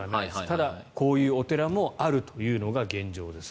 ただ、こういうお寺もあるというのが現状です。